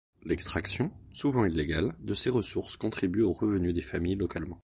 L’extraction, souvent illégale, de ces ressources contribuent aux revenus des familles localement.